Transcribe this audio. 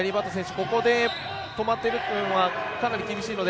ここで止まっているのはかなり厳しいので。